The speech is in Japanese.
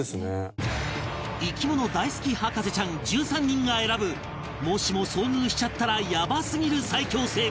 生き物大好き博士ちゃん１３人が選ぶもしも遭遇しちゃったらヤバすぎる最恐生物